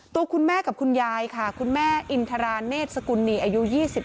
ตัวคุณแม่กับคุณยายค่ะคุณแม่อินทราเนธสกุลนีอายุ๒๓